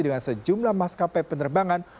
dengan sejumlah maskapai penerbangan